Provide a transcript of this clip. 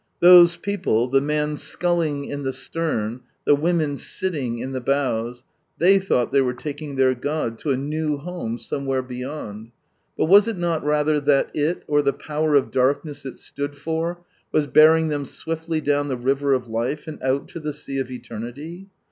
Those people, the man sculling in the stern, the women sitting in the bows — tliey thought ihey were taking their god to a new home somewhere beyond, but was it not rather thai it, or the Power of Darkness it stood for, was bearing them swiftly down the river of life, and out to the sea of Eternity